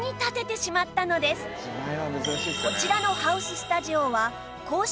こちらのハウススタジオは公式